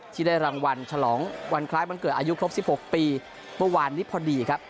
ที่ได้รางวัลฉลองวันคล้ายวันเกิดอายุครบ๑๖ปีเมื่อวานนี้พอดีครับ